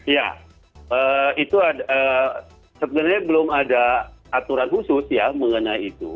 ya itu sebenarnya belum ada aturan khusus ya mengenai itu